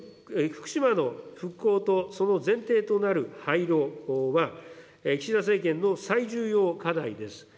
福島の復興とその前提となる廃炉は、岸田政権の最重要課題です。